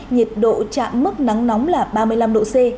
nhiệt độ chạm mức nắng nóng là ba mươi năm độ c